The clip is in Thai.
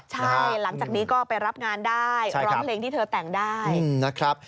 ใช่หลังจากนี้ก็ไปรับงานได้ร้องเพลงที่เธอแต่งได้นะครับ